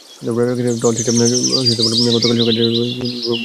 টহল শেষে গতকাল সকাল ছয়টায় বাসায় ফিরে তিনি চুরির ঘটনাটি বুঝতে পারেন।